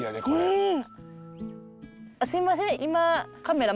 うん！